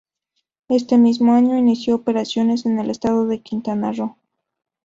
Este mismo año inició operaciones en el estado de Quintana Roo.